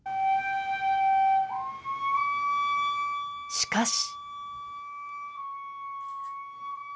しかし。